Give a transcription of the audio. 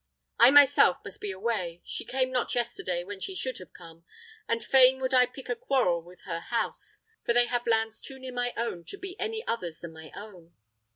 I myself must be away. She came not yesterday when she should have come; and fain would I pick a quarrel with her house, for they have lands too near my own to be any others than my own.